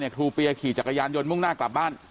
ครูเปียขี่จักรยานยนต์มุ่งหน้ากลับบ้าน